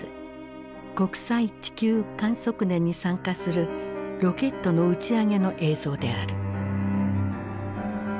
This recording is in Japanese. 国際地球観測年に参加するロケットの打ち上げの映像である。